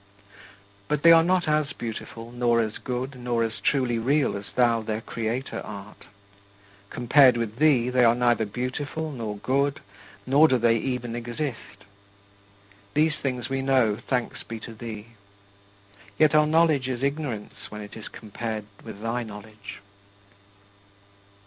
But they are not as beautiful, nor as good, nor as truly real as thou their Creator art. Compared with thee, they are neither beautiful nor good, nor do they even exist. These things we know, thanks be to thee. Yet our knowledge is ignorance when it is compared with thy knowledge.